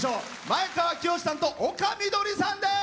前川清さんと丘みどりさんです。